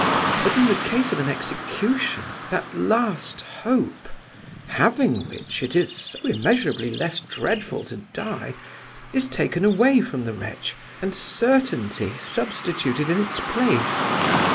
But in the case of an execution, that last hope—having which it is so immeasurably less dreadful to die,—is taken away from the wretch and certainty substituted in its place!